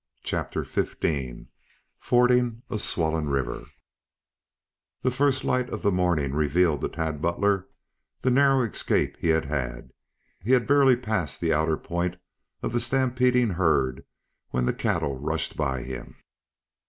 CHAPTER XV FORDING A SWOLLEN RIVER The first light of the morning revealed to Tad Butler the narrow escape he had had. He had barely passed the outer point of the stampeding herd when the cattle rushed by him.